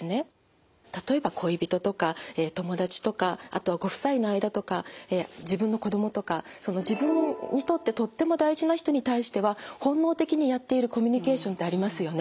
例えば恋人とか友達とかあとはご夫妻の間とか自分の子供とか自分にとってとっても大事な人に対しては本能的にやっているコミュニケーションってありますよね。